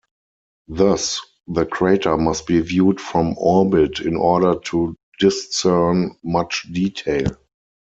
Thus the crater must be viewed from orbit in order to discern much detail.